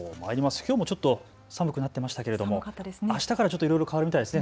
きょうもちょっと寒くなっていましたけれども、あしたからちょっといろいろ変わるみたいですね。